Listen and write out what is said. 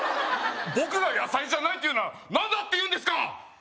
僕が野菜じゃないというなら何だっていうんですか！